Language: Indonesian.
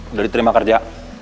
udah diterima kerja